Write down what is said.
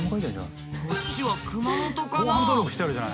こっちは熊本かな。